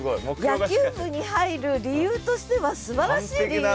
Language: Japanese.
野球部に入る理由としてはすばらしい理由だ。